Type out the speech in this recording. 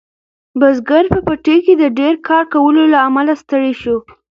بزګر په پټي کې د ډیر کار کولو له امله ستړی شو.